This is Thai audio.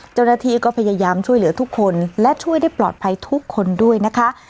เจ้าหน้าที่ก็พยายามช่วยเหลือทุกคนและช่วยได้ปลอดภัยทุกคนด้วยนะคะ